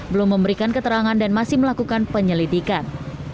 belum memberikan keterangan dan masih melakukan penyelidikan